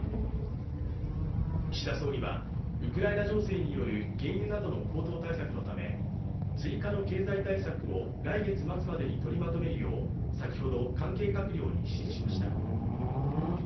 岸田総理はウクライナ情勢による原油などの高騰対策のため、追加の経済対策を来月末までに取りまとめるよう先ほど、関係閣僚に指示しました。